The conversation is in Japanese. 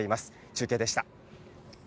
中継でした。